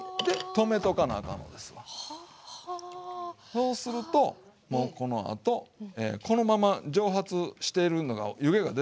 そうするともうこのあとこのまま蒸発してるのが湯気が出てるでしょ。